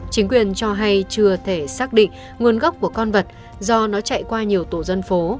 chính quyền cho hay chưa thể xác định nguồn gốc của con vật do nó chạy qua nhiều tổ dân phố